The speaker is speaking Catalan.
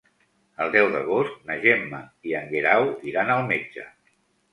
El deu d'agost na Gemma i en Guerau iran al metge.